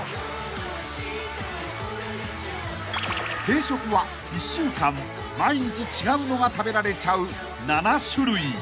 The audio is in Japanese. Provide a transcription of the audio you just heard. ［定食は１週間毎日違うのが食べられちゃう７種類］